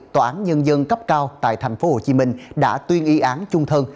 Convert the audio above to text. tòa án nhân dân cấp cao tại tp hcm đã tuyên y án chung thân